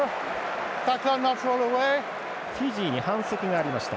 フィジーに反則がありました。